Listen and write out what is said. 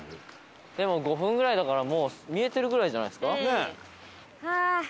でも５分ぐらいだからもう見えてるぐらいじゃないですか？